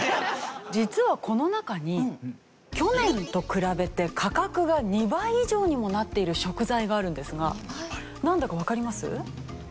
実はこの中に去年と比べて価格が２倍以上にもなっている食材があるんですがなんだかわかります？